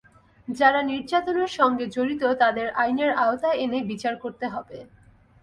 যারা নির্যাতনের সঙ্গে জড়িত, তাদের আইনের আওতায় এনে বিচার করতে হবে।